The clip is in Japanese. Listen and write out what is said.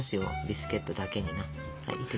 ビスケットだけにな。